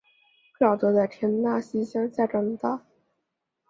克劳德在田纳西乡下长大。